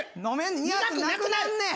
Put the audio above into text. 苦くなくなんねん。